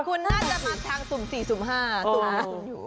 คุณน่าจะมาทางสุ่มสี่สุ่มห้าตรงที่คุณอยู่